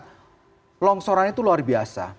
karena longsorannya itu luar biasa